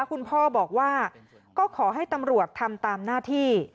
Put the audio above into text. คุณพ่อบอกว่าก็ขอให้ตำรวจทำตามหน้าที่